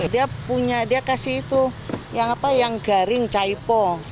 dia punya dia kasih itu yang apa yang garing caipo